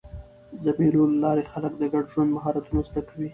د مېلو له لاري خلک د ګډ ژوند مهارتونه زده کوي.